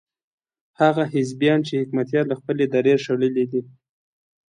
هغه حزبيان چې حکمتیار له خپلې درې شړلي دي.